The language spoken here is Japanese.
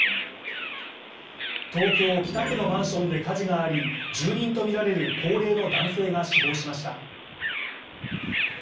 東京・北区のマンションで火事があり、住人とみられる高齢の男性が死亡しました。